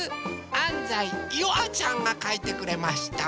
あんざいゆあちゃんがかいてくれました。